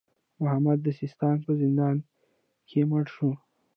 محمد د سیستان په زندان کې مړ شو.